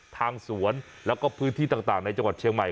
ทางสวนแล้วก็พื้นที่ต่างในจังหวัดเชียงใหม่